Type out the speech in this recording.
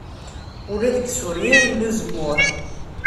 Ula deg Surya yella uzemmur.